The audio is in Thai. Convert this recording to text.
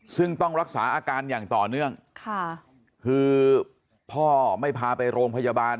ซึ่งต้องรักษาอาการอย่างต่อเนื่องค่ะคือพ่อไม่พาไปโรงพยาบาล